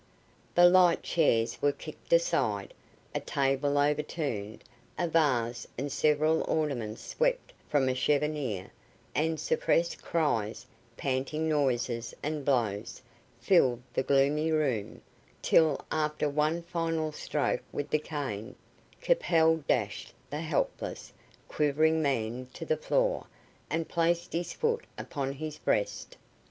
The light chairs were kicked aside, a table overturned, a vase and several ornaments swept from a cheffonier, and suppressed cries, panting noises and blows, filled the gloomy room, till, after one final stroke with the cane, Capel dashed the helpless, quivering man to the floor, and placed his foot upon his breast.